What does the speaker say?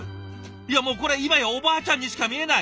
いやもうこれ今やおばあちゃんにしか見えない！